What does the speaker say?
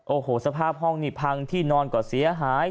โอ้โหสภาพห้องนี่พังที่นอนก็เสียหาย